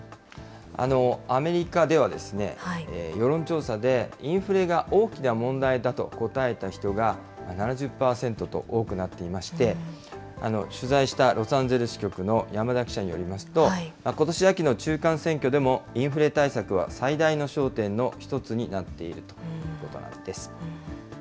アメリカでは世論調査でインフレが大きな問題だと答えた人が７０％と多くなっていまして、取材したロサンゼルス局の山田記者によりますと、ことし秋の中間選挙でも、インフレ対策は最大の焦点の１つになっているということなんです。